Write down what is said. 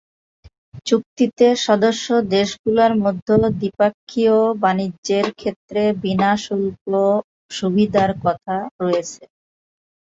চুক্তিতে সদস্য দেশগুলোর মধ্যে দ্বিপক্ষীয় বাণিজ্যের ক্ষেত্রে বিনা শুল্ক সুবিধার কথা রয়েছে।